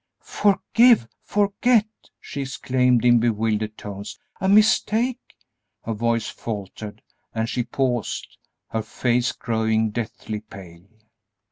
"Forgive! Forget!" she exclaimed, in bewildered tones; "a mistake?" her voice faltered and she paused, her face growing deathly pale.